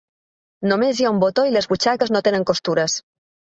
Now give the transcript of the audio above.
Només hi ha un botó i les butxaques no tenen costures.